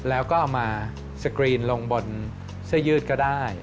แล้วก็เอามาสกรีนลงบนเสื้อยืดก็ได้